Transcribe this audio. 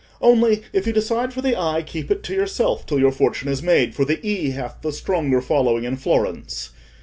Only, if you decide for the i, keep it to yourself till your fortune is made, for the e hath the stronger following in Florence.